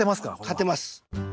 勝てます！